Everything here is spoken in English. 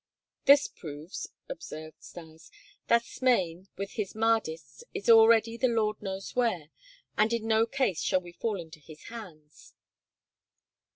"This proves," observed Stas, "that Smain, with his Mahdists, is already the Lord knows where, and in no case shall we fall into his hands."